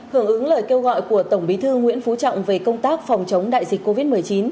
hưởng ứng lời kêu gọi của tổng bí thư nguyễn phú trọng về công tác phòng chống đại dịch covid một mươi chín